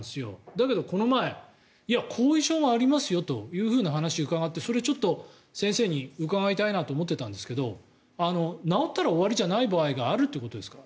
だけど、この前いや、後遺症がありますよという話を伺ってそれ、ちょっと先生に伺いたいなと思っていたんですが治ったら終わりじゃない場合があるってことですか？